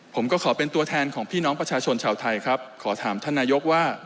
ผมก็ขอเป็นตัวแทนของพี่น้องประชาชนชาวไทยครับขอถามท่านนายกว่า